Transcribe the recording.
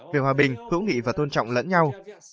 về hòa bình hữu nghị và tôn trọng lẫn nhau